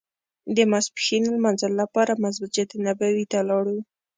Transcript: د ماسپښین لمانځه لپاره مسجد نبوي ته لاړو.